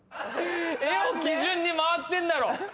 「エ」を基準に回ってんだろ！